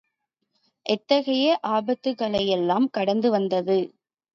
எத்தகைய ஆபத்துக் களையெல்லாம் கடந்துவந்தது?